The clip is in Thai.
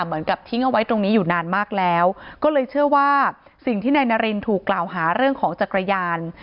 เหมือนกับทิ้งเอาไว้ตรงนี้อยู่นานมากแล้วก็เลยเชื่อว่าสิ่งที่นายนารินถูกกล่าวหาเรื่องของจักรยาน